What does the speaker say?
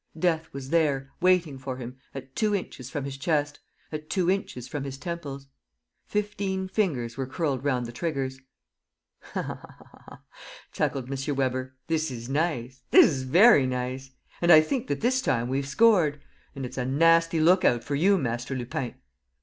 Death was there, waiting for him, at two inches from his chest, at two inches from his temples. Fifteen fingers were curled round the triggers. "Ah," chuckled M. Weber, "this is nice, this is very nice! ... And I think that this time we've scored ... and it's a nasty look out for you, Master Lupin!